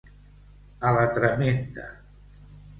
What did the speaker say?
A la tremenda.